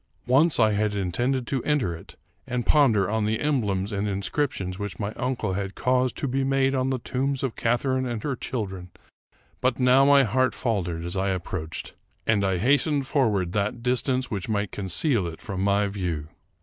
Once I had intended to enter it, and ponder on the emblems and inscriptions which my uncle had caused to be made on the tombs of Catharine and her children; but now my heart faltered as I approached, and I hastened forward that distance might conceal it from my view.